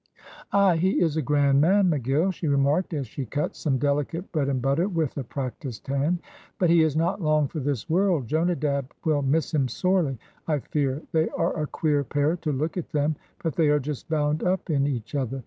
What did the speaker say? "Aye, he is a grand man, McGill," she remarked, as she cut some delicate bread and butter with a practised hand. "But he is not long for this world. Jonadab will miss him sorely, I fear; they are a queer pair to look at them, but they are just bound up in each other.